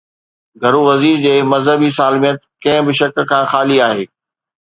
گهرو وزير جي مذهبي سالميت ڪنهن به شڪ کان خالي آهي.